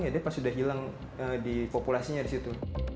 ya dia pas sudah hilang di populasinya di situ